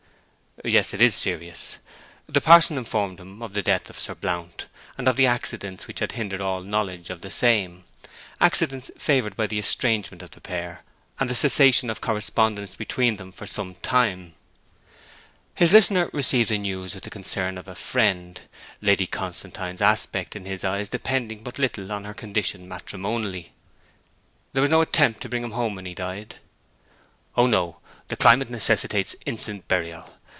'Yes, it is serious.' The parson informed him of the death of Sir Blount, and of the accidents which had hindered all knowledge of the same, accidents favoured by the estrangement of the pair and the cessation of correspondence between them for some time. His listener received the news with the concern of a friend, Lady Constantine's aspect in his eyes depending but little on her condition matrimonially. 'There was no attempt to bring him home when he died?' 'O no. The climate necessitates instant burial.